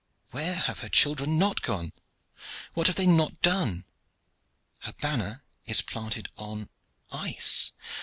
Where have her children not gone? What have they not done? Her banner is planted on ice.